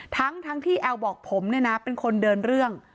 ทั้งที่แอลบอกผมเป็นคนเดินเรื่อง